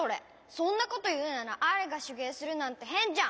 そんなこというならアイがしゅげいするなんてへんじゃん！